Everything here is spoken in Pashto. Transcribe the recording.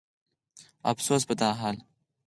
افسوس په دا حال